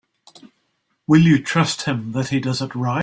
Will you trust him that he does it right?